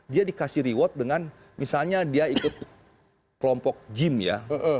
dia dikasih reward dengan misalnya dia ikut kelompok gym ya